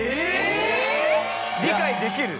理解できる？